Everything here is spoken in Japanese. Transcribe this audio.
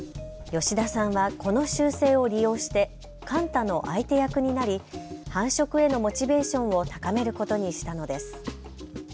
吉田さんはこの習性を利用してカンタの相手役になり繁殖へのモチベーションを高めることにしたのです。